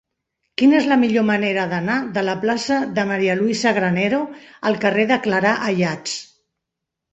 Quina és la millor manera d'anar de la plaça de María Luisa Granero al carrer de Clarà Ayats?